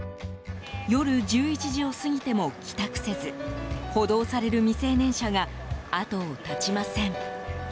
夜１１時を過ぎても帰宅せず補導される未成年者が後を絶ちません。